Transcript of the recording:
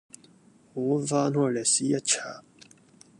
我翻開歷史一查，